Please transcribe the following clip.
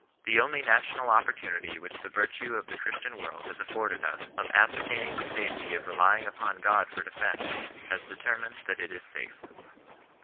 The only national opportunity which the virtue of the Christian world has afforded us of ascer taining the safety of reiving upon God for defence, has deteimined that it is safe."